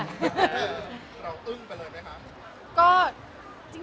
เราตึ้งไปเลยไหมคะ